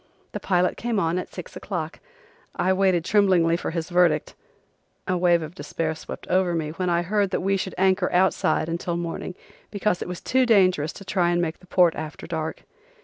The pilot came on at six o'clock. I waited tremblingly for his verdict. A wave of despair swept over me when I heard that we should anchor outside until morning, because it was too dangerous to try to make the port after dark.